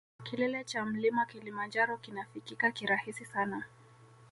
Kilele cha mlima kilimanjaro kinafikika kirahisi sana